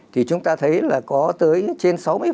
thì chúng ta thấy là có tới trên sáu mươi